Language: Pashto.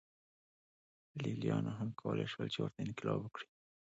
لېلیانو هم کولای شول چې ورته انقلاب وکړي